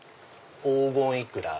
黄金いくら。